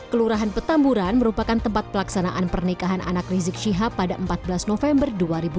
kelurahan petamburan merupakan tempat pelaksanaan pernikahan anak rizik syihab pada empat belas november dua ribu dua puluh